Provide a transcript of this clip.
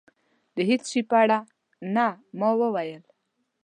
د هېڅ شي په اړه نه. ما وویل.